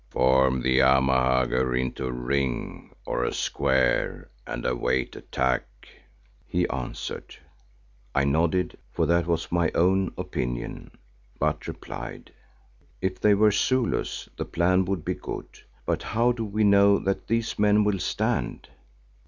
"Form the Amahagger into a ring or a square and await attack," he answered. I nodded, for that was my own opinion, but replied, "If they were Zulus, the plan would be good. But how do we know that these men will stand?"